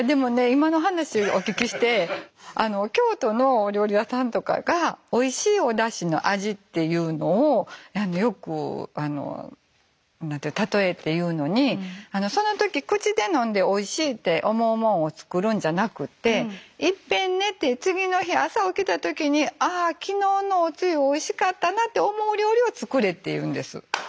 今の話お聞きして京都のお料理屋さんとかがおいしいおだしの味っていうのをよく例えて言うのにその時口で飲んでおいしいって思うもんを作るんじゃなくていっぺん寝て次の日朝起きた時に「ああ昨日のおつゆおいしかったな」って思う料理を作れっていうんです。